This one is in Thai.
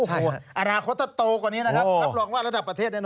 อาหารเขาต้นโตกว่านี้นะครับรับหลวงว่าระดับประเทศแน่นอน